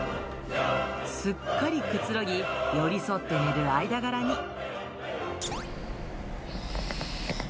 すっかりくつろぎ、寄り添って寝る間柄に。